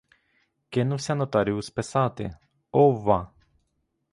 Кинувся нотаріус писати: овва!